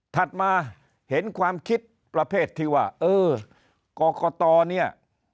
มาเห็นความคิดประเภทที่ว่าเออกรกตเนี่ย